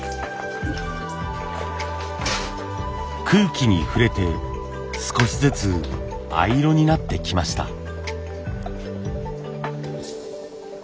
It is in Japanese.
空気に触れて少しずつ藍色になってきました。